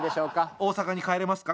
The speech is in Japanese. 大阪に帰れますか？